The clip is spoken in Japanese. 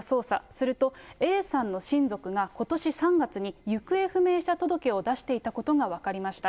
すると、Ａさんの親族がことし３月に行方不明者届を出していたことが分かりました。